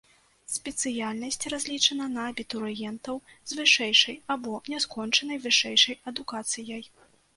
Спецыяльнасць разлічана на абітурыентаў з вышэйшай або няскончанай вышэйшай адукацыяй.